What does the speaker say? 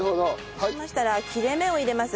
そうしましたら切れ目を入れます。